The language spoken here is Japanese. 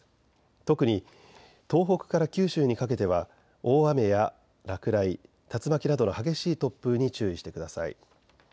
特に東北から九州にかけては大雨や落雷、竜巻などの激しい突風に注意してください。